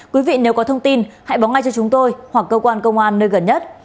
quý vị nếu có thông tin hãy báo ngay cho chúng tôi hoặc cơ quan công an nơi gần nhất